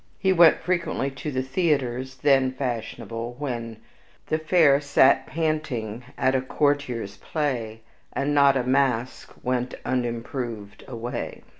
He went frequently to the theaters, THEN fashionable, when "The fair sat panting at a courtier's play, And not a mask went unimproved away."